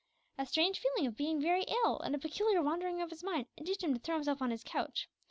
A strange feeling of being very ill, and a peculiar wandering of his mind, induced him to throw himself on his couch.